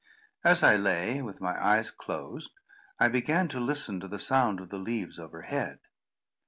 As I lay, with my eyes closed, I began to listen to the sound of the leaves overhead.